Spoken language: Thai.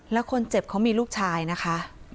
แล้วคนเจ็บเขามีลูกชายนะคะ